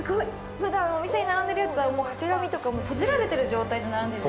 普段お店に並んでるやつは掛け紙とか閉じられてる状態で並んでる。